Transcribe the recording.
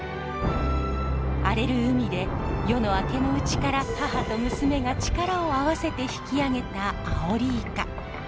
荒れる海で夜の明けぬうちから母と娘が力を合わせて引き上げたアオリイカ。